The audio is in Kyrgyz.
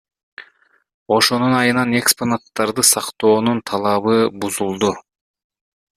Ошонун айынан экспонаттарды сактоонун талабыбузулду.